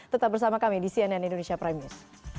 tetap bersama kami di cnn indonesia prime news